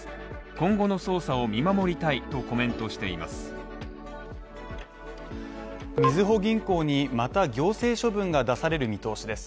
今後の捜査を見守りたいとコメントしています。